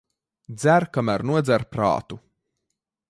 Dzer, kamēr nodzer prātu.